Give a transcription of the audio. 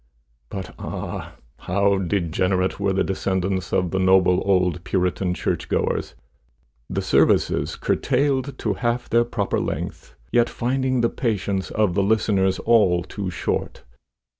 But ah! how degenerate were the descendants of the noble old Puritan church goers! The services curtailed to half their proper length, yet finding the patience of the listeners all too short!